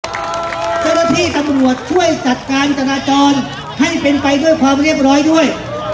เจ้าหน้าที่ตำรวจช่วยจัดการจราจรให้เป็นไปด้วยความเรียบร้อยด้วย